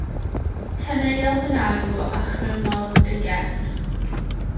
Teneuodd yn arw, a chrymodd ei gefn.